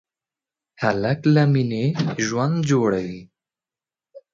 هلک له مینې ژوند جوړوي.